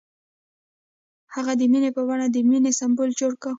هغه د مینه په بڼه د مینې سمبول جوړ کړ.